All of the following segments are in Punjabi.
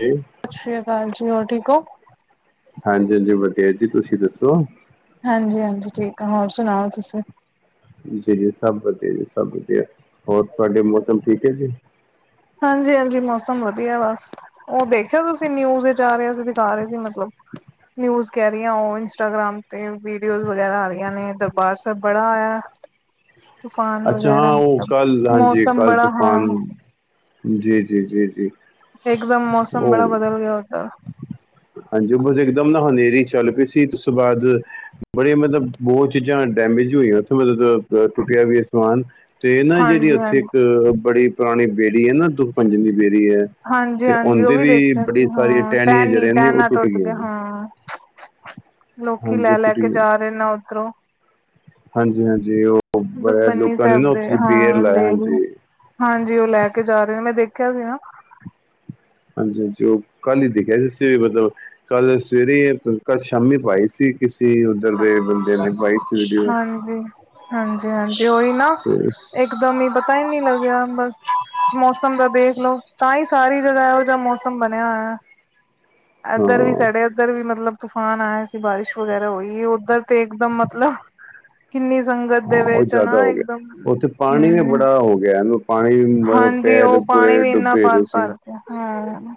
ਜੀ। ਸਤਿ ਸ੍ਰੀ ਅਕਾਲ ਜੀ, ਹੋਰ ਠੀਕ ਹੋ। ਹਾਂਜੀ-ਹਾਂਜੀ ਵਧੀਆ ਜੀ ਤੁਸੀਂ ਦੱਸੋ। ਹਾਂਜੀ ਹਾਂਜੀ ਠੀਕ ਆ, ਹੋਰ ਸੁਣਾਓ ਤੁਸੀਂ। ਜੀ ਸਭ ਵਧੀਆ ਜੀ, ਸਭ ਵਧੀਆ, ਹੋਰ ਤੁਹਾਡੇ ਮੌਸਮ ਠੀਕ ਹੈ ਜੀ। ਹਾਂਜੀ- ਹਾਂਜੀ, ਮੌਸਮ ਵਧੀਆ ਵਾ। ਉਹ ਦੇਖਿਆ ਤੁਸੀਂ ਨਿਊਜ਼ ਵਿਚ ਆ ਰਹਾ ਸੀ, ਦਿਖਾ ਰਹੇ ਸੀ ਮਤਲਬ ਨਿਊਜ਼ ਕਹਿ ਰਹੀ ਆਂ, ਉਹ ਇੰਸਟਾਗ੍ਰਾਮ ਤੇ ਵੀਡੀਓਜ਼ ਵਗੈਰਾ ਆ ਰਹੀਆਂ ਨੇ ਦਰਬਾਰ ਸਾਹਿਬ ਬੜਾ ਆਇਆ। ਤੂਫਾਨ ਅੱਛਾ ਵਗੈਰਾ ਹਾਂ, ਉਹ ਕੱਲ ਮਤਲਬ ਹਾਂਜੀ ਮੌਸਮ ਕੱਲ ਬੜਾ ਹਾਂ ਤੂਫਾਨ ਜੀ, ਜੀ, ਜੀ, ਜੀ। ਇੱਕਦਮ ਮੌਸਮ ਬੜਾ ਉਹ ਬਦਲ ਗਿਆ ੳਧਰ ਹਾਂਜੀ, ਉਹ ਬਸ ਇੱਕਦਮ ਨਾ ਹਨੇਰੀ ਚੱਲ ਪਈ ਸੀ ਉਸ ਤੋਂ ਬਾਅਦ ਹ ਬੜੀ ਮਤਲਬ ਬਹੁਤ ਚੀਜ਼ਾਂ ਡੈਮੇਜ ਹੋਈਆਂ, ਉੱਥੇ ਮਤਲਬ ਟੁੱਟਿਆ ਵੀ ਅਂ ਸਮਾਨ, ਤੇ ਨਾ ਜਿਹੜੀ ਹਾਂਜੀ ਉੱਥੇ ਹਾਂਜੀ ਇੱਕ ਬੜੀ ਪੁਰਾਣੀ ਬੇਰੀ ਹੈ ਨਾ ਦੁੱਖ ਭੰਜਨੀ ਬੇਰੀ ਏ ਹਾਂਜੀ-ਹਾਂਜੀ ਉਹ ਵੀ ਦੇਖਿਆ ਸੀ ਹਾਂ, ਟਹਿਣੀਆਂ ਟੈਨੀ ਜਿਹੜੀਆਂ ਨੇ ਉਹ ਟੈਨਾ ਟੁੱਟ ਗਿਆ ਗਈਆਂ ਹਾਂ ਲੋਕੀ ਹਾਂਜੀ ਲੈ-ਲੈ ਟੁੱਟ ਕੇ ਜਾ ਰਹੇ ਨੇ ਉੱਧਰੋਂ ਹਾਂਜੀ-ਹਾਂਜੀ, ਉਹ ਬੜਾ ਦੁਖਬਨੀ ਲੋਕਾਂ ਨੇ ਸਾਹਿਬ ਨਾ ਦੇ ਉੱਥੇ ਬੇਰ ਹਾਂ ਲਾਇਆ ਦੇ ਵੀ ਹਾਂਜੀ ਹਾਂਜੀ ਉਹ ਲੈ ਕੇ ਜਾ ਰਹੇ ਨੇ ਮੈਂ ਦੇਖਿਆ ਸੀ ਨਾ ਹਾਂਜੀ-ਹਾਂਜੀ, ਉਹ ਕਲ ਹੀ ਦੇਖਿਆ [unintelligible] ਕੱਲ ਸਵੇਰੇ ਕੱਲ ਸ਼ਾਮੀ ਪਾਈ ਸੀ, ਕਿਸੇ ਉੱਧਰ ਦੇ ਬੰਦੇ ਨੇ ਪਾਈ ਸੀ। ਵੀਡੀਓ ਹਾਂਜੀ-ਹਾਂਜੀ, ਹਾਂਜੀ ਉਹੀ ਨਾ ਤੇ ਇਕਦਮ ਹੀ ਪਤਾ ਹੀ ਨਹੀ ਲਗਿਆ ਬਸ ਮੌਸਮ ਦਾ ਦੇਖ ਲੋ, ਤਾਂ ਹੀ ਸਾਰੀ ਜਗਹ ਇਹੋ ਜਿਹਾ ਮੌਸਮ ਬਣਿਆ ਹੋਇਆ। ਹਾਂ ਏਧਰ ਵੀ ਸਾਡੇ ਏਧਰ ਵੀ ਮਤਲਬ ਤੂਫਾਨ ਆਯਾਂ ਸੀ ਬਾਰਿਸ਼ ਵਗੈਰਾ ਹੋਈ ਉੱਧਰ ਤੇ ਇਕਦਮ ਮਤਲਬ ਕਿੰਨੀ ਸੰਗਤ ਹਾਂ ਦੇ ਉਹ ਵਿੱਚ ਜ਼ਿਆਦਾ ਨਾ ਹੋ ਗਿਆ ਇਕਦਮ, ਉੱਥੇ ਪਾਣੀ ਵੀ ਹਮ ਬੜਾ ਹੋ ਗਿਆ ਇਹਨੂੰ ਪਾਣੀ ਮਤਲਬ ਹਾਂਜੀ, ਪੈਰ ਉਹ ਪੂਰੇ ਪਾਣੀ ਵੀ ਇਨਾ ਡੁੱਬੇ ਹੋਏ ਸੀ ਭਰ [unintelligible] ਹਮ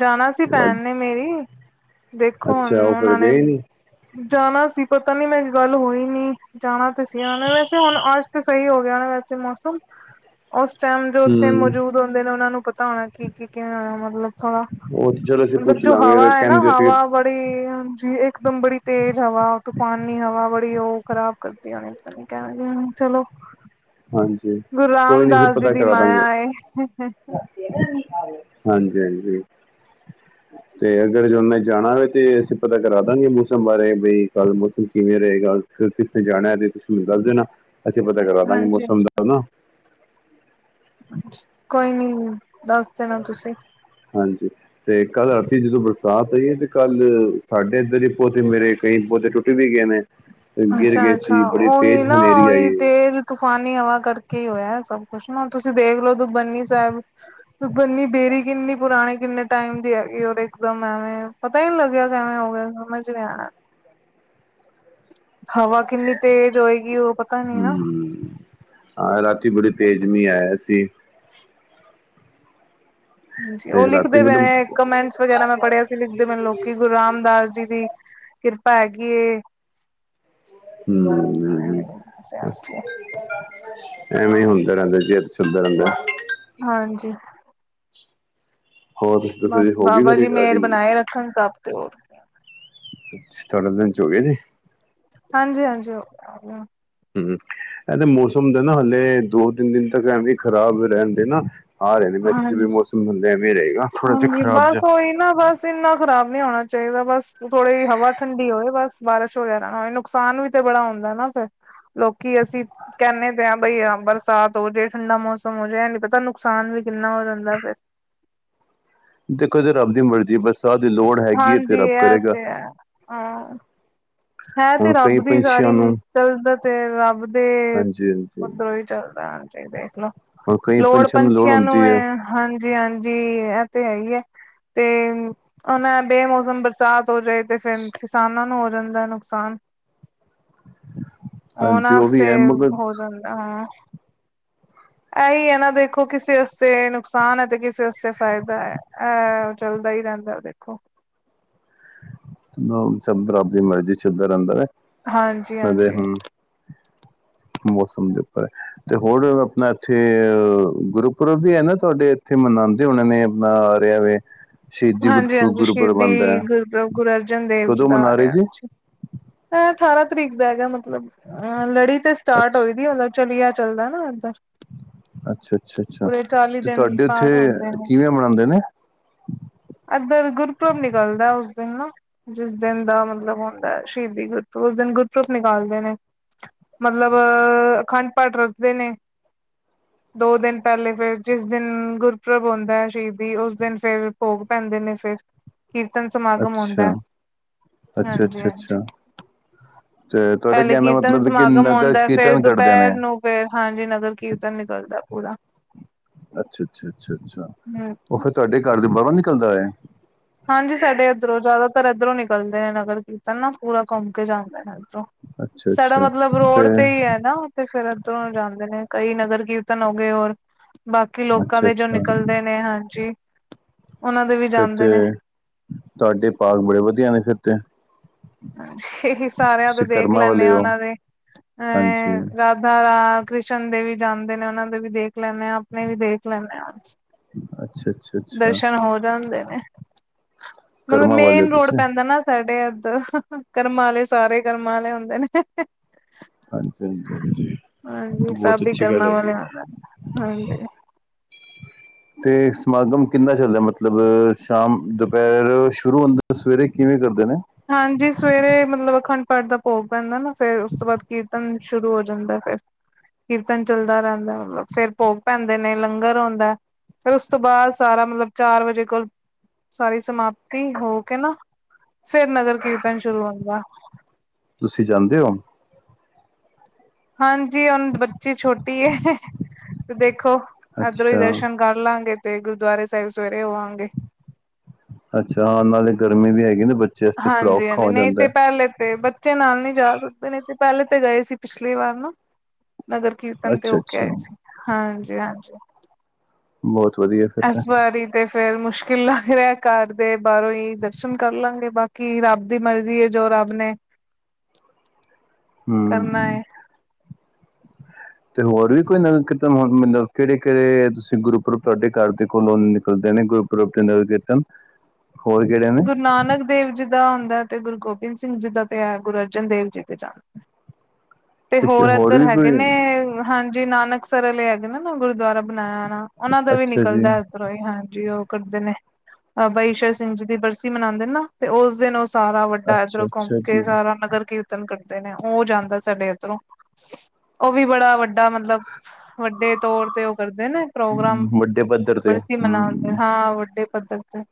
ਜਾਣਾ ਸੀ ਭੈਣ ਨੇ ਮੇਰੀ, ਦੇਖੋ ਅੱਛਾ ਹੁਣ ਉਹ ਫਿਰ ਉਹਨਾ ਨੇ ਗਏ ਨੀ ਜਾਣਾ ਸੀ ਪਤਾ ਨੀ ਮੇਰੀ ਗੱਲ ਹੋਈ ਨੀ। ਜਾਣਾ ਤਾਂ ਸੀ, ਉਹਨਾਂ ਨੇ ਵੈਸੇ ਹੁਣ ਅੱਜ ਤੇ ਸਹੀ ਹੋ ਗਿਆ ਹੋਨਾ ਵੈਸੇ ਮੌਸਮ। ਉਸ ਟਾਈਮ ਜੋ ਉੱਥੇ ਹੂੰ ਮੌਜੂਦ ਹੁੰਦੇ ਨੇ, ਉਹਨਾ ਨੂੰ ਪਤਾ ਹੋਣਾ ਕੀ ਕੀ ਕਿਵੇਂ ਮਤਲਬ ਉਹ ਤੇ ਚਲੋ ਅਸੀਂ ਮਤਲਬ ਪੁੱਛ ਜੋ ਲਾਂਗੇ ਹਵਾ ਹੈ, ਨਾ ਕਹਿੰਦੇ ਹੋ ਤੁਸੀਂ। ਹਵਾ। ਬੜੀ ਹਾਂਜੀ, ਇਕਦਮ ਬੜੀ ਤੇਜ਼ ਹਵਾ ਤੂਫਾਨੀ ਹਵਾ ਬੜੀ ਉਹ ਖਰਾਬ ਕਰਦੀਆਂ ਨੇ। ਕਹਿਣਗੇ ਹੁਣ ਚਲੋ ਹਾਂਜੀ ਗੁਰੂ ਕੋਈ ਨੀ ਅਸੀਂ ਰਾਮਦਾਸ ਜੀ ਪਤਾ ਦੀ ਕਰਾ ਦਾਂਗੇ ਮਾਇਆ ਏ। ਹਾਂਜੀ ਹਾਂਜੀ। ਤੇ ਅਗਰ ਉਹਨੇ ਜਾਣਾ ਹੋਵੇ ਤੇ ਅਸੀਂ ਪਤਾ ਕਰਾ ਦਾਂਗੇਗੇ ਮੌਸਮ ਬਾਰੇ, ਬਈ ਕੱਲ ਮੌਸਮ ਕਿਵੇਂ ਰਹੇਗਾ। ਜੇ ਤੁਸੀਂ ਜਾਣਾ ਤੇ ਤੁਸੀਂ ਮੈਨੂੰ ਦਸ ਦੇਨਾ। ਅਸੀ ਪਤਾ ਕਰ ਦਾ ਗੇਂ [unintelligible] ਹਾਂਜੀ ਹਾਂਜੀ। ਕੋਈ ਨੀ, ਦੱਸ ਦੇਣਾ ਤੁਸੀਂ। ਹਾਂਜੀ। ਤੇ ਕੱਲ੍ਹ ਰਾਤੀ ਜਦੋਂ ਬਰਸਾਤ ਆਈ ਹੈ ਤੇ ਕੱਲ ਸਾਡੇ ਇੱਧਰ ਹੀ ਪੌਦੇ ਮੇਰੇ ਕਈ ਪੌਦੇ ਟੁੱਟ ਵੀ ਗਏ ਨੇ। ਗਿਰ ਅੱਛਾ ਗਏ ਸੀ ਅੱਛਾ, ਬੜੀ ਉਓਹੀ ਤੇਜ਼ ਨਾ ਹਨੇਰੀ ਉਹੀ ਆਈ ਤੇ। ਤੂਫਾਨੀ ਹਵਾ ਕਰਕੇ ਹੀ ਹੋਇਆ ਸਭ ਕੁਛ ਨਾ, ਤੁਸੀਂ ਦੇਖਲੋ ਦੁਖਭੰਜਨੀ ਸਾਹਿਬ ਦੁਖ ਭੰਜਨੀ ਬੇਰੀ ਕਿੰਨੀ ਪੁਰਾਣੇ ਕਿੰਨੇ ਟਾਈਮ ਦੀ ਹੈਗੀ ਹੋਰ। ਇਕਦਮ ਐਵੇਂ ਪਤਾ ਹੀ ਨੀ ਲੱਗਿਆ ਕਿਵੇਂ ਹੋ ਗਿਆ, ਸਮਝ ਨੀ ਆਯਾ। ਹਵਾ ਕਿੰਨੀ ਤੇਜ਼ ਹੋਏਗੀ, ਉਹ ਪਤਾ ਨੀ ਨਾ। ਹਮ ਹਾਂ, ਰਾਤੀ ਬੜੀ ਤੇਜ਼ ਮਂੀ ਆਇਆ ਸੀ। ਤੇ ਉਹ ਰਾਤੀ ਲਿਖਦੇ ਪਏ ਮਤਲਬ ਨੇ ਕਮੈਂਟਸ। ਵਗੈਰਾ ਮੈਂ ਪੜ੍ਹਿਆ ਸੀ ਲਿਖਦੇ ਪਏ ਨੇ ਲੋਕੀ ਗੁਰੂ ਰਾਮਦਾਸ ਜੀ ਦੀ ਕਿਰਪਾ ਹੈਗੀ ਐ। ਹੂੰ, ਬਸ ਐਵੇਂ ਈ ਹੁੰਦਾ ਰਹਿੰਦਾ ਜੀ ਇਹ ਚਲਦਾ ਰਹਿੰਦਾ। ਹਾਂਜੀ। ਹੋਰ ਤੁਸੀਂ ਦੱਸੋ ਬਸ ਜੀ ਹੋ ਗਈ ਬਾਬਾ ਜੀ ਮੇਹਰ ਤੁਹਾਡੀ ਬਣਾਏ ਅਹ, ਰੱਖਣ ਸਭ ਤੇ ਹੋਰ ਤੁਹਾਡਾ ਲੰਚ ਹੋ ਗਿਆ ਜੀ। ਹਾਂਜੀ, ਹਾਂਜੀ। ਔਕੇ ਔਕੇ ਹੂੰ, ਇਹ ਤਾਂ ਮੌਸਮ ਦਾ ਨਾ ਹਲੇ ਦੋ- ਤਿੰਨ ਦਿਨ ਤੱਕ ਐਵੇਂ ਖ਼ਰਾਬ ਰਹਿਣਦੇ ਨਾ ਆ ਰਹੇ ਨੇ ਮੈਸਜ ਹਾਂਜੀ ਜਿਵੇਂ ਮੋਸਮ ਹੁੰਦਾ ਐਵੇਂ ਰਹੇਗਾ। ਥੋੜਾ ਜਿਹਾ ਹਾਂਜੀ ਖਰਾਬ ਜਿਹਾ ਬਸ ਉਹੀ ਨਾ ਬਸ ਇੰਨਾ ਖਰਾਬ ਨੀ ਹੋਣਾ ਚਾਹੀਦਾ ਬਸ ਥੋੜੀ ਜ ਹਵਾ ਠੰਡੀ ਹੋਵੇ ਬਸ ਬਾਰਸ਼ ਵਗੈਰਾ ਨਾ ਹੋ ਨੁਕ ਨੁਕਸਾਨ ਵੀ ਤੇ ਬੜਾ ਹੁੰਂਦਾ ਐ ਨਾ ਫੇਰ ਲੋਕੀ ਅਸੀਂ ਕਹਿੰਦੇ ਤੇ ਆ ਬਈ ਹਾ ਬਰਸਾਤ ਹੋ ਜੇ ਠੰਡਾ ਮੌਸਮ ਹੋ ਜੇ, ਇਹ ਨੀ ਪਤਾ ਨੁਕਸਾਨ ਵੀ ਕਿੰਨਾ ਹੋ ਜਾਂਦੈ ਫੇਰ। ਦੇਖੋ ਜੇ ਰੱਬ ਦੀ ਮਰਜ਼ੀ ਐ ਬਰਸਾਤ ਦੀ ਲੋੜ ਹੈਗੀ ਹੈ ਤੇ ਹਾਂਜੀ ਰੱਬ ਇਹ ਕਰੇਗਾ। ਤੇ ਹੈ ਹਾਂ ਹੈ ਤੇ ਹੁਣ ਕਈ ਰੱਬ ਦੀ ਪੰਛੀਆਂ ਸਾਰੀ ਨੂੰ ਚਲਦਾ ਤੇ ਰੱਬ ਤੇ ਹਾਂਜੀ ਹਾਂਜੀ ਉੱਧਰੋਂ ਹੀ ਚੱਲਦਾ ਐ ਤੇ ਦੇਖਲੋ ਲੋੜ ਪੰਛੀਆਂ ਨੂੰ ਹੈ। ਹਾਂਜੀ ਹਾਂਜੀ ਇਹ ਤੇ ਹੈ ਹੀ ਏ, ਤੇ ਉਹਨਾਂ ਬੇਮੌਸਮ ਬਰਸਾਤ ਹੋ ਜਾਏ ਤੇ ਫੇਰ ਕਿਸਾਨਾਂ ਨੂੰ ਹੋ ਜਾਂਦੈ ਨੁਕਸਾਨ। ਹਾਂਜੀ ਉਹਨਾਂ ਉਹ ਆਸਤੇ ਵੀ ਹੈ ਮਗਰ ਹੋ ਜਾਂਦੈ ਹਾਂ। ਇਹੀ ਹੈ ਨਾ, ਦੇਖੋ ਕਿਸੇ ਆਸਤੇ ਨੁਕਸਾਨ ਹੈ ਤੇ ਕਿਸੇ ਆਸਤੇ ਫਾਇਦਾ ਹੈ, ਅਹਹਹਹਹ। ਚੱਲਦਾ ਹੀ ਰਹਿੰਦੈ ਦੇਖੋ ਹਮਮਮ ਸਬ ਰੱਬ ਦੀ ਮਰਜ਼ੀ ਚੱਲਦਾ ਰਹਿੰਦਾ ਹੈ ਕਿਵੇ ਹਾਂਜੀ-ਹਾਂਜੀ ਹਮਮਮ। ਮੌਸਮ ਦੇ ਉੱਪਰ ਹੈ। ਤੇ ਹੋਰ ਆਪਣਾ ਇੱਥੇ ਅਹ ਗੁਰਪੁਰਬ ਵੀ ਹੈ ਨਾ ਤੁਹਾਡੇ ਇੱਥੇ ਮਨਾਂਦੇ ਉਹਨਾਂ ਨੇ ਆਪਣਾ ਆ ਰਿਹਾ ਸ਼ਹੀਦੀ ਗੁਰ ਹਾਂਜੀ-ਹਾਂਜੀ ਗੁਰੂ ਪੁਰਬ ਆਂਦੈ। ਸ਼ਹੀਦੀ ਗੁਰੂ ਗੁਰੂ ਅਰਜਨ ਦੇਵ ਜੀ ਦਾ ਆ ਰਿਹਾ ਜੀ, ਐ ਅਠਾਰਾਂ ਤਰੀਕ ਦਾ ਹੈਗਾ ਮਤਲਬ। ਅ ਲੜੀ ਤੇ ਸਟਾਰਟ ਹੋਈ ਅੱਛਾ ਦੀ ਐ ਮਤਲਬ ਚਲਿਆ ਚੱਲਦਾ ਨਾ ਇੱਧਰ। ਅੱਛਾ ਅੱਛਾ ਅੱਛਾ ਪੂਰੇ ਚਾਲੀ ਤੇ ਦਿਨ ਤੁਹਾਡੇ ਉੱਥੇ ਪਾਠ ਹੁੰਦੇ ਨੇ ਕਿਵੇਂ ਮਨਾਂਦੇ ਨੇ। ਇੱਧਰ ਗੁਰਪੁਰਬ ਨਿਕਲਦਾ ਉਸ ਦਿਨ ਨਾ ਜਿਸ ਦਿਨ ਦਾ ਮਤਲਬ ਹੁੰਦੈ ਸ਼ਹੀਦੀ ਗੁਰਪੁਰੁਬ ਉਸ ਦਿਨ ਗੁਰਪੁਰੁਬ ਨਿਕਾਲਦੇ ਨੇ ਮਤਲਬ ਅਖੰਡ ਪਾਠ ਰੱਖਦੇ ਨੇ ਦੋ ਦਿਨ ਪਹਿਲੇ ਫਿਰ ਜਿਸ ਦਿਨ ਗੁਰਪੂਰਬ ਹੁੰਦਾ ਹੈ, ਸ਼ਹੀਦੀ ਉਸ ਦਿਨ ਫਿਰ ਭੋਗ ਪੈਂਦੇ ਨੇ ਫੇਰ ਕੀਰਤਨ ਸਮਾਗਮ ਹੁੰਦਾ ਅੱਛਾ ਅੱਛਾ ਹਾਂਜੀ, ਅੱਛਾ ਹਾਂਜੀ। ਅੱਛਾ ਤੇ ਤੁਹਾਡਾ ਪਹਿਲੇ ਕਹਿਣ ਦਾ ਕੀਰਤਨ ਮਤਲਬ ਹੈ ਕਿ ਸਮਾਗਮ ਨਗਰ ਹੁੰਦਾ, ਫੇਰ ਕੀਰਤਨ ਕਰਦੇ ਦੁਪਹਿਰ ਨੇ ਨੂੰ ਫੇਰ ਹਾਂਜੀ ਨਗਰ ਕੀਰਤਨ ਨਿਕਲਦਾ ਪੂਰਾ ਅੱਛਾ-ਅੱਛਾ-ਅੱਛਾ-ਅੱਛਾ ਹਮ ਉਹ ਫਿਰ ਤੁਹਾਡੇ ਘੱਰ ਦੇ ਬਾਹਰੋਂ ਨਿਕਲਦਾ ਏ ਹਾਂਜੀ, ਸਾਡੇ ਇੱਧਰੋਂ ਜ਼ਿਆਦਾਤਰ ਇੱਧਰੋਂ ਨਿਕਲਦੇ ਨਗਰ ਕੀਰਤਨ ਨਾ ਪੂਰਾ ਘੁੰਮ ਕੇ ਜਾਂਦੇ ਨੇ ਅੱਛਾ ਸਾਡਾ ਅੱਛਾ ਮਤਲਬ ਰੋਡ ਫਿਰ ਤੇ ਈ ਏ ਨਾ ਫਿਰ ਇੱਧਰੋ ਜਾਂਦੇ ਨੇ ਕਈ ਨਗਰ ਕੀਰਤਨ ਹੋ ਗਏ ਔਰ ਬਾਕੀ ਲੋਕਾਂ ਅੱਛਾ ਦੇ ਜੋ ਅੱਛਾ ਨਿਕਲ ਦੇ ਨੇ ਹਾਂਜੀ। ਉਹਨਾਂ ਦੇ ਵੀ ਫਿਰ ਜਾਂਦੇ ਨੇ ਤੇ, ਤੁਹਾਡੇ ਭਾਗ ਬੜੇ ਵਧੀਆ ਨੇ ਫਿਰ ਤੇ ਇਹੀ ਸਾਰਿਆਂ ਤੇ ਤੁਸੀਂ ਦੇਖ ਕਰਮਾਂ ਲੈਂਣੇ ਵਾਲੇ ਆਂ ਹੋ ਉਹਨਾਂ ਦੇ ਹਾਂਜੀ, ਅਹ ਰਾਤ ਰਾਧਾ-ਕ੍ਰਿਸ਼ਨ ਦੇ ਵੀ ਜਾਂਦੇ ਨੇ ਉਹਨਾਂ ਦੇ ਵੀ ਦੇਖ ਲੈਂਨੇ ਹਾਂ। ਆਪਣੇ ਵੀ ਦੇਖ ਲੈਂਦੇ ਹਾਂ। ਅੱਛਾ, ਅੱਛਾ, ਅੱਛਾ ਦਰਸ਼ਨ ਹੋ ਜਾਂਦੇ ਨੇ ਮਤਲਬ ਕਰਮਾਂ ਵਾਲੇ ਹੋ ਮੇਨ ਰੋਡ ਤੁਸੀਂ ਪੈਂਦਾ ਨਾ ਸਾਡੇ ਐਧਰ ਕਰਮਾ ਆਲੇ ਸਾਰੇ, ਕਰਮਾ ਆਲੇ ਹੁੰਦੇ ਨੇ। ਹਾਂਜੀ, ਹਾਂਜੀ, ਹਾਂਜੀ ਹਾਂਜੀ, ਬਹੁਤ ਸਭ ਈ ਅੱਛੀ ਗੱਲ ਕਰਮਾਂ ਹੈਗੀ ਏ। ਵਾਲਿਆ ਦਾ ਹਾਂਜੀ। [unintelligible] ਤੇ ਸਮਾਗਮ ਕਿੰਨਾ ਚੱਲਦਾ ਮਤਲਬ ਸ਼ਾਮ ਦੁਪਹਿਰ ਸ਼ੁਰੂ ਹੁੰਦਾ- ਇਹ ਸਵੇਰੇ ਕਿਵੇਂ ਕਰਦੇ ਨੇ? ਹਾਂਜੀ, ਸਵੇਰੇ ਮਤਲਬ ਅਖੰਡ ਪਾਠ ਦਾ ਭੋਗ ਪੈਂਦਾ ਨਾ ਫੇਰ ਉਸ ਤੋਂ ਬਾਅਦ ਕੀਰਤਨ ਸ਼ੁਰੂ ਹੋ ਜਾਂਦਾ ਫਿਰ ਕੀਰਤਨ ਚੱਲਦਾ ਰਹਿੰਦਾ। ਫਿਰ ਭੋਗ ਪੈਂਦੇ ਨੇ, ਲੰਗਰ ਹੁੰਦਾ। ਫਿਰ ਉਸ ਤੋਂ ਬਾਅਦ ਸਾਰਾ ਮਤਲਬ ਚਾਰ ਵਜੇ ਕੋਲ ਸਾਰੀ ਸਮਾਪਤੀ ਹੋ ਕੇ ਨਾ ਫੇਰ ਨਗਰ ਕੀਰਤਨ ਸ਼ੁਰੂ ਹੁੰਦਾ ਤੁਸੀਂ ਜਾਂਦੇ ਹੋ। ਹਾਂਜੀ ਹੁਣ ਬੱਚੀ ਛੋਟੀ ਏ ਤੇ ਦੇਖੋ ਏਧਰੋਂ ਹੀ ਅੱਛਾ, ਦਰਸ਼ਨ ਕਰ ਲਾਂਗੇ ਤੇ ਗੁਰਦੁਆਰੇ ਸਾਹਿਬ ਸਵੇਰੇ ਹੋਵਾਂਗੇ। ਅੱਛਾ ਹਾਂ ਨਾਲੇ ਗਰਮੀ ਵੀ ਹੈਗੀ ਨਾ ਬ ਹਾਂਜੀ ਹਾਂਜੀ ਨਹੀਂ ਤੇ ਪਹਿਲੇ ਤੇ ਬ ਬੱਚੇ ਨਾਲ ਨਹੀਂ ਜਾ ਸਕਦੇ ਨਹੀਂ ਤੇ ਪਹਿਲੇ ਤੇ ਗਏ ਸੀ ਪਿਛਲੀ ਵਾਰ ਨਾ ਨਗਰ ਹੈ। ਕੀਰਤਨ ਤੇ ਅੱਛਾ, ਹੋਕੇ ਆਏ ਅੱਛਾ ਸੀ। ਹਾਂਜੀ-ਹਾਂਜੀ। ਬੋਤ ਵਧੀਆ। ਫਿਰ ਐਸ ਤਾਂ ਵਾਰੀ ਤੇ ਫੇਰ ਮੁਸ਼ਕਿਲ ਲੱਗ ਰਿਹਾ। ਘਰ ਦੇ ਬਾਹਰੋਂ ਹੀ ਦਰਸ਼ਨ ਕਰ ਲਾਂਗੇ ਬਾਕੀ ਰੱਬ ਦੀ ਮਰਜ਼ੀ ਏ ਜੋ ਰੱਬ ਨੇ ਕਰਨਾ ਹੂੰ। ਹੈ ਤੇ ਹੋਰ ਵੀ ਕੋਈ ਨਗਰ ਕੀਰਤਨ ਮਤਲਬ ਕਿਹੜੇ-ਕਿਹੜੇ ਤੁਸੀਂ ਗੁਰਪੁਰਬ ਤੁਹਾਡੇ ਘਰ ਦੇ ਕੋਲੋ ਨਿਕ ਕਰਦੇ ਨੇ ਗੁਰੂਪੁਰਬ ਦੇ ਨਗਰ ਕੀਰਤਨ ਹੋਰ ਕਿਹੜੇ ਨੇ? ਗੁਰੂ ਨਾਨਕ ਦੇਵ ਜੀ ਦਾ ਹੁੰਦਾ ਤੇ ਗੁਰੂ ਗੋਬਿੰਦ ਸਿੰਘ ਜੀ ਦਾ ਤੇ ਏ ਗੁਰੂ ਅਰਜਨ ਦੇਵ ਜੀ ਤੇ ਜਾਂ ਤੇ ਸ਼- ਹੋਰ ਇੱਧਰ ਵੀ ਹੈਗੇ ਕੋਈ ਨੇ ਹਾਂਜੀ, ਨਾਨਕਸਰ ਵਾਲੇ ਹੈਗੇ ਨੇ ਨਾ ਗੁਰਦੁਆਰਾ ਬਣਾਇਆ ਣਾ ਉਹਨਾਂ ਦਾ ਵੀ ਅੱਛਾ ਜੀ। ਨਿਕਲਦਾ ਹੀ ਹਾਂਜੀ ਉਹ ਕਰਦੇ ਨੇ ਅਹ ਬਾਬਾ ਈਸ਼ਰ ਸਿੰਘ ਜੀ ਦੀ ਬਰਸੀ ਮਨਾਦੇ ਨੇ ਨਾ ਤੇ ਉਸ ਦਿਨ ਉਸ ਸਾਰਾ ਵੱਡਾ ਅੱਛਾ ਇੱਧਰ ਘੁੰਮ ਅੱਛਾ ਜੀ ਕੇ ਸਾਰਾ ਨਗਰ ਕੀਰਤਨ ਕਰਦੇ ਨੇ ਉਹ ਜਾਂਦਾ ਸਵੇਰ ਤਰੋ ਉਹ ਵੀ ਬੜਾ ਵੱਡ ਵੱਡਾ ਮਤਲਬ ਵੱਡੇ ਤੌਰ ਤੇ ਉਹ ਕਰਦੇ ਨੇ ਪ੍ਰੋਗਰਾਮ ਹਮ, ਵੱਡੇ ਪੱਧਰ ਤੇ ਬਰਸੀ ਮਨਾਂਦੇ ਹਮ ਹਾਂ ਵੱਡੇ ਪੱਧਰ ਤੇ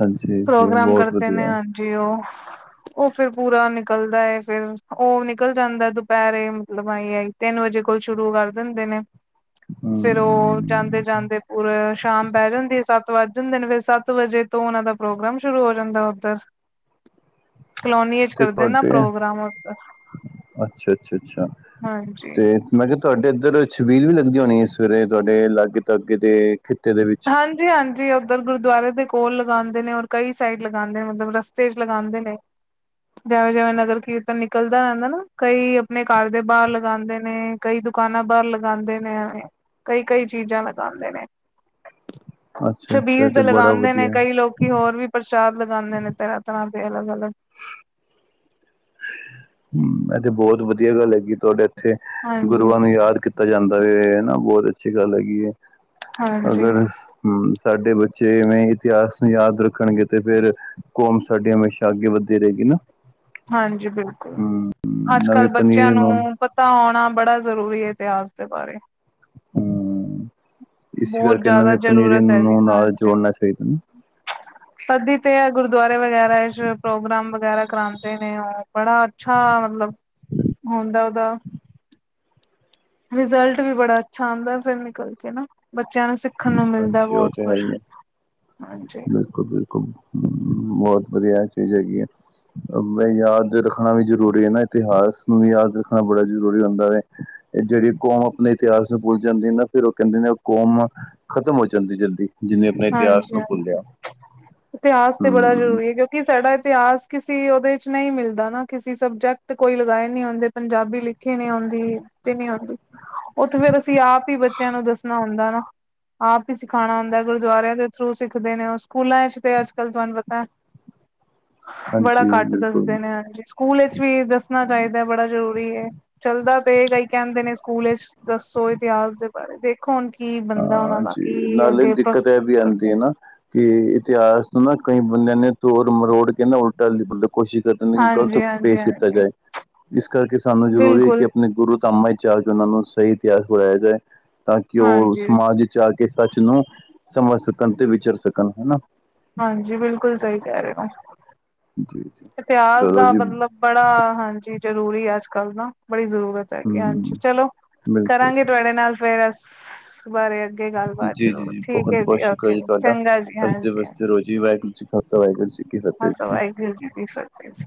ਹਾਂਜੀ ਜੀ ਪ੍ਰੋਗਰਾਮ ਬਹੁਤ ਕਰਦੇ ਨੇ ਵਧੀਆ ਜੀ ਉਹ ਉਹ ਫਿਰ ਪੂਰਾ ਨਿਕਲਦਾ ਏ ਫਿਰ ਉਹ ਨ ਨਿਕਲ ਜਾਂਦੈ ਦੁਪਹਿਰੇ ਮਤਲਬ ਆਹੀ ਆਹੀ ਤਿੰਨ ਵਜੇ ਕੋਲ ਸ਼ੁਰੂ ਕਰ ਦਿੰਦੇ ਨੇ ਫੇਰ ਉਹ ਹਮ ਜਾਂਦੇ ਜਾਂਦੇ ਪੂਰਾ ਸ਼ਾਮ ਪੈ ਜਾਂਦੀ ਹੈ ਸੱਤ ਵੱਜ ਜਾਂਦੇ ਨੇ ਫੇਰ ਸੱਤ ਵਜੇ ਤੋਂ ਉਹਨਾਂ ਦਾ ਪ੍ਰੋਗਰਾਮ ਸ਼ੁਰੂ ਹੋ ਜਾਂਦਾ ਉੱਧਰ [unintelligible] [inaudible] ਕਲੋਨੀ ਚ ਤੇ ਕਰਦੇ ਨਾ ਤੁਹਾਡੇ ਪ੍ਰੋਗਰਾਮ ਉਧਰ ਅੱਛਾ ਅੱਛਾ ਅੱਛਾ ਹਾਂਜੀ ਤੇ ਮੈਂ ਕਿਹਾ ਤੁਹਾਡੇ ਇੱਧਰ ਛਬੀਲ ਵੀ ਲੱਗਦੀ ਹੋਣੀ ਏ ਸਵੇਰੇ ਤੁਹਾਡੇ ਲਾਗੇ ਤਾਗੇ ਦੇ ਖਿੱਤੇ ਦੇ ਵਿੱਚ ਹਾਂਜੀ ਹਾਂਜੀ ਉੱਧਰ ਗੁਰਦੁਆਰੇ ਦੇ ਕੋਲ ਲਗਾਂਦੇ ਨੇ ਔਰ ਕਈ ਸਾਈਡ ਲਗਾਂਦੇ ਨੇ ਮਤਲਬ ਰਸਤੇ ਚ ਲਗਾਂਦੇ ਨੇ ਜੈਵੇਂ ਜੈਵੇਂ ਨਗਰ ਕੀਰਤਨ ਨਿਕਲਦਾ ਰਹਿੰਦੈ ਨਾ ਕਈ ਆਪਣੇ ਘਰ ਦੇ ਬਾਹਰ ਲਗਾਂਦੇ ਨੇ। ਕਈ ਦੁਕਾਨਾਂ ਬਾਹਰ ਲਗਾਂਦੇ ਨੇ ਕਈ ਕਈ ਚੀਜ਼ਾਂ ਲਗਾਂਦੇ ਨੇ। ਅੱਛਾ ਅੱਛਾ ਇਹ ਛਬੀਲ ਤੇ ਬੜਾ ਲਗਾਂਦੇ ਨੇ ਵਧੀਆ ਕਈ ਲੋਕੀ ਹੋਰ ਵੀ ਪ੍ਰਸ਼ਾਦ ਲਗਾਂਦੇ ਨੇ ਤਰ੍ਹਾਂ ਤਰ੍ਹਾਂ ਦੇ ਅਲੱਗ ਅਲੱਗ ਇਹ ਤੇ ਬਹੁਤ ਵਧੀਆ ਗੱਲ ਹੈਗੀ ਤੁਹਾਡੇ ਇੱਥੇ ਗੁਰੂਆਂ ਨੂੰ ਯਾਦ ਕੀਤਾ ਤਾ ਜਾਂਦਾ ਏ ਹਨਾ ਬਹੁਤ ਅੱਛੀ ਗੱਲ ਹੈਗੀ ਏ ਅਗਰ ਹਾਂਜੀ-ਹਾਂਜੀ-ਹਾਂਜੀ ਹਮ ਸਾਡੇ ਬੱਚੇ ਐਵੇਂ ਇਤਿਹਾਸ ਨੂੰ ਯਾਦ ਰੱਖਣਗੇ ਤੇ ਫੇਰ ਕੌਮ ਸਾਡੀ ਹਮੇਸ਼ਾ ਅੱਗੇ ਵੱਧਦੀ ਰਹੇਗੀ ਨਾ ਹਾਂਜੀ ਬਿਲਕੁਲ ਹੂੰ, ਅੱਜ ਨਵੇਂ ਕੱਲ ਬੱਚਿਆਂ ਪਨੀਰ ਨੂੰ ਤਾਂ ਆਉਣਾ ਬੜਾ ਜ਼ਰੂਰੀ ਏ ਇਤਿਹਾਸ ਦੇ ਬਾਰੇ ਹਮ ਇਸ ਬਹੁਤ ਕਰਕੇ ਇਹ ਜ਼ਿਆਦਾ ਨਵੀ ਪਨੀਰੀ ਜ਼ਰੂਰਤ ਹੈ ਜੀ ਨੂੰ ਨਾਲ ਹਾਂਜੀ। ਜੋੜਨਾ ਚਾਹੀਦੈ ਨਾ [inaudible] ਤਦੀ ਤੇ ਇਹ ਗੁਰਦੁਆਰੇ ਵਗੈਰਾ 'ਚ ਪ੍ਰੋਗਰਾਮ ਵਗੈਰਾ ਕਰਾਉਂਦੇ ਨੇ ਉਹ ਬੜਾ ਅੱਛਾ ਮਤਲਬ, ਹੁਣ ਤਾਂ ਉਹਦਾ ਰਿਜ਼ਲਟ ਵੀ ਬੜਾ ਅੱਛਾ ਆਉਂਦਾ, ਫਿਰ ਨਿਕਲ ਕੇ ਨਾ, ਬੱਚਿਆਂ ਨੂੰ ਸਖ ਅੱਛੇ ਹੋ ਜਾਏਂਗੇ, ਹਾਂਜੀ ਬਿਲਕੁਲ, ਬਿਲਕੁਲ ਬਹੁਤ, ਵਧੀਆ, ਚੀਜ਼ ਹੈਗੀ ਆ। ਯਾਦ ਰੱਖਣਾ ਵੀ ਜ਼ਰੂਰੀ ਹੈ ਨਾ ਇਤਿਹਾਸ, ਨੂੰ ਵੀ ਯਾਦ ਰੱਖਣਾ ਬੜਾ ਜ਼ਰੂਰੀ ਹੁੰਦਾ ਹੈ। ਜਿਹੜੀ ਕੌਮ ਆਪਣੇ ਇਤਿਹਾਸ ਨੂੰ ਭੁੱਲ ਜਾਂਦੀ ਨਾ, ਫਿਰ ਉਹ ਕਹਿੰਦੇ ਨੇ ਉਹ ਕੌਮ ਖ਼ਤਮ ਹੋ ਜਾਂਦੀ ਜਲਦੀ। ਜਿਹਨੇ ਆਪਣੇ ਇਤਿਹਾਸ ਹਾਂਜੀ, ਨੂੰ ਹਾਂਜੀ ਭੁੱਲਿਆ। ਇਤਿਹਾਸ ਤੇ ਬੜਾ ਹੂੰ, ਜ਼ਰੂਰੀ ਹੈ, ਕਿਉਂ ਕਿ ਸਾਡਾ ਇਤਿਹਾਸ ਕਿਸੇ, ਉਹਦੇ 'ਚ ਨਹੀਂ ਮਿਲਦਾ ਨਾ ਕਿਸੇ ਸਬਜੈਕਟ ਕੋਈ ਲਗਾਏ ਨਹੀਂ ਹੁੰਦੇ ਪੰਜਾਬੀ ਲਿਖ। ਕਿ ਨਹੀਂ ਆਉਂਦੀ ਤੇ ਨੀ ਆਉਂਦੀ, ਉਹ ਤੇ ਫਿਰ ਅਸੀਂ ਆਪ ਹੀ ਬੱਚਿਆਂ ਨੂੰ ਦੱਸਣਾ ਹੁੰਦਾ ਨਾ। ਆਪ ਹੀ ਸਿਖਾਉਣਾ ਹੁੰਦਾ। ਗੁਰਦੁਆਰਿਆਂ ਦੇ ਥਰੂ ਸਿੱਖਦੇ ਨੇ ਉਹ, ਸਕੂਲਾਂ 'ਚ ਤੇ ਅੱਜ ਕੱਲ ਤੁਹਾਨੂੰ ਪਤਾ ਬੜਾ ਹਾਂਜੀ ਘੱਟ ਬਿਲਕੁਲ। ਦੱਸਦੇ ਨੇ ਹਾਂਜੀ, ਸਕੂਲ ਵਿੱਚ ਵੀ ਦੱਸਣਾ ਚਾਹੀਦਾ ਬੜਾ ਜ਼ਰੂਰੀ ਹੈ। ਚੱਲਦਾ ਤੇ, ਕਈ ਕਹਿੰਦੇ ਨੇ ਸਕੂਲ ਵਿੱਚ ਦੱਸੋ ਇਤਿਹਾਸ ਪਰ ਦੇਖੋ ਹੁਣ ਕੀ ਬਣਦਾ ਹਾਂ ਉਹਨਾਂ ਦਾ, ਜੀ ਕੀ ਨਾਲੇ ਅੱਗੇ ਦਿੱਕਤ ਵੀ ਆਉਂਦੀ ਕਰਦੇ ਹੈ ਨਾ ਕਿ ਇਤਿਹਾਸ ਨੂੰ ਨਾ ਕਈ ਬੰਦਿਆਂ ਨੇ ਤੋੜ ਮਰੋੜ ਕੇ ਨਾ ਉਲਟਾ ਲਿਖਣ ਕੋਸ਼ਿਸ਼ ਕਰ ਗਲਤ ਹਾਂਜੀ ਹਾਂਜੀ ਪੇਸ ਕੀਤਾ ਹਾਂਜੀ ਜਾਏ। ਇਸ ਕਰਕੇ ਸਾਨੂੰ ਜ਼ਰੂਰੀ ਹੈ ਕਿ ਬਿਲਕੁਲ ਆਪਣੇ ਗੁਰੂ ਧਾਮਾਂ 'ਚ ਉਹਨਾਂ ਨੂੰ ਸਹੀ ਇਤਿਹਾਸ ਪੜ੍ਹਇਆ ਜਾਏ। ਤਾਂ ਕਿ ਉਹ ਹਾਂਜੀ। ਸਮਾਜ 'ਚ ਆ ਕੇ, ਸੱਚ ਨੂੰ ਸਮਝ ਸਕਣ ਤੇ ਵਿਚਰ ਸਕਣ ਹਨਾ। ਹਾਂਜੀ ਬਿਲਕੁਲ ਸਹੀ ਕਹਿ ਰਹੇ ਹੋ। ਜੀ ਇਤਿਹਾਸ ਚਲੋ ਦਾ ਜੀ ਮਤਲਬ ਬੜਾ ਹਾਂਜੀ, ਜ਼ਰੂਰੀ ਹੈ ਅੱਜ ਕੱਲ ਨਾ ਬੜੀ ਜ਼ਰੂਰਤ ਹਾਂਜੀ ਹਮ ਚਲੋ, ਬਿਲਕੁਲ ਕਰਾਂਗੇ ਤੁਹਾਡੇ ਨਾਲ ਫੇਰ, ਇਸ ਬਾਰੇ 'ਚ ਜੀ ਗੱਲਬਾਤ ਜੀ ਜੀ ਜ਼ਰੂਰ, ਜੀ, ਠੀਕ ਬਹੁਤ ਹੈ ਬਹੁਤ ਜੀ ਸ਼ੁਕਰ ਓਕੇ ਜੀ ਤੁਹਾਡਾ ਚੰਗਾ ਜੀ ਹੱਸਦੇ ਹਾਂਜੀ ਹਾਂ ਵਸਦੇ ਜੀ ਰੋਜੀ ਵਾਹਿਗੁਰੂ ਜੀ ਖਾਲਸਾ ਵਾਹਿਗੁਰੂ ਜੀ ਕੀ ਫਤਿਹ ਜੀ ਵਾਹਿਗੁਰੂ ਜੀ ਦੀ ਫਤਿਹ ਜੀ।